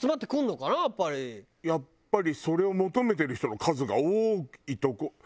やっぱりそれを求めてる人の数が多いとこ。